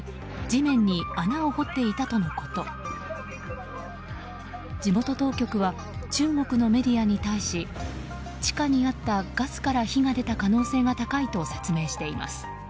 地元当局は中国のメディアに対し地下にあったガスから火が出た可能性が高いと説明しています。